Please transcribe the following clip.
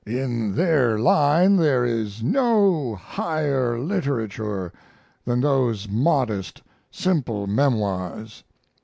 In their line there is no higher literature than those modest, simple memoirs.